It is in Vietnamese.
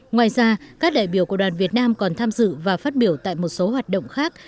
ngoài ra các đại biểu của đoàn việt nam còn tham dự và phát biểu tại một số hoạt động khác